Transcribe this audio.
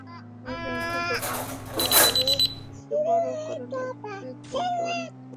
ঔই ব্যান্ডের দোকানটাই একটু বড় করা লাগবে, তো লোন তুলতে হবে।